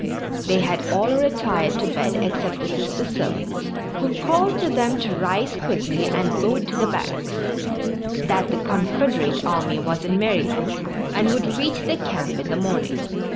They had all retired to bed except the Sister servant, who called to them to rise quickly and go to the barracks; that the Confederate army was in Maryland and would reach the camp in the morning.